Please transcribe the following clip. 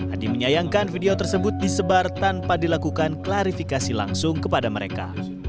adi menyayangkan video tersebut disebar tanpa dilakukan klarifikasi langsung kepada mereka